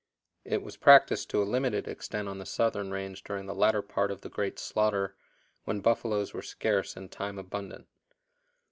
It was practiced to a limited extent on the southern range during the latter part of the great slaughter, when buffaloes were scarce and time abundant.